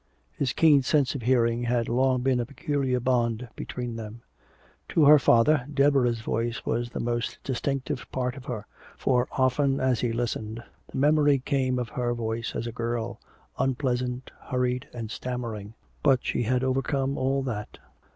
This keen sense of hearing had long been a peculiar bond between them. To her father, Deborah's voice was the most distinctive part of her, for often as he listened the memory came of her voice as a girl, unpleasant, hurried and stammering. But she had overcome all that.